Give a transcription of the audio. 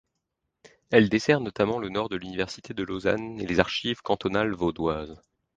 Elle dessert notamment le nord de l'université de Lausanne et les archives cantonales vaudoises.